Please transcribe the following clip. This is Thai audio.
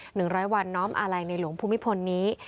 ร้อยวันน้อมอาลัยในหลวงภูมิพลนี้